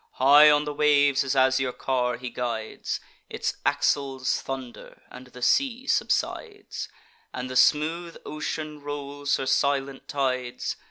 High on the waves his azure car he guides; Its axles thunder, and the sea subsides, And the smooth ocean rolls her silent tides.